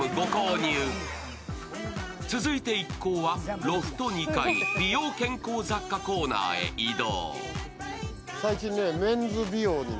続いて一行はロフト２階、美容健康雑貨コーナーへ移動。